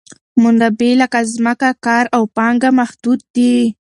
منابع لکه ځمکه، کار او پانګه محدود دي.